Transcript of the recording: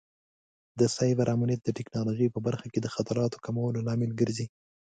د سایبر امنیت د ټکنالوژۍ په برخه کې د خطراتو کمولو لامل ګرځي.